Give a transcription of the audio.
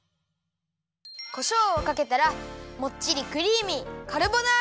こしょうをかけたらもっちりクリーミー